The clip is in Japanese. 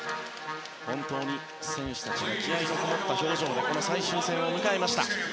本当に選手たちも気合のこもった表情でこの最終戦を迎えました。